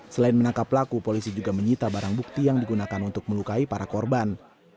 selain menangkap pelaku polisi juga menyita barang bukti yang digunakan untuk melukai para korban